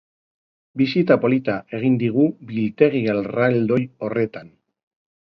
Bisita polita egin digu biltegi erraldoi horretan.